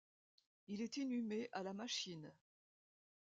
Il est inhumé à La Machine.